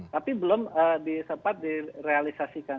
tapi belum sempat direalisasikan